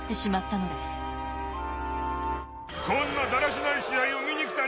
こんなだらしない試合を見に来たんじゃないぞ！